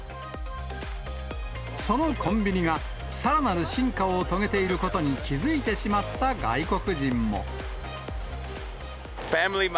そのコンビニが、さらなる進化を遂げていることに気付いてしまった外国人も。